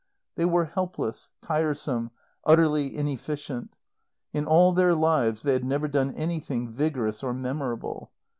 They were helpless, tiresome, utterly inefficient. In all their lives they had never done anything vigorous or memorable.